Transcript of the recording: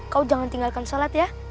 kau jangan tinggalkan sholat ya